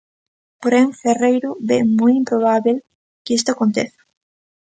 Porén, Ferreiro ve "moi improbábel" que isto aconteza.